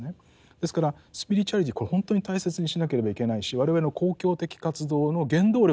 ですからスピリチュアリティこれ本当に大切にしなければいけないし我々の公共的活動の原動力になる場合もありますよね。